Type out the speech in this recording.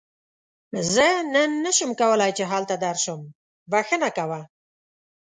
زه نن نشم کولی چې هلته درشم، بښنه کوه.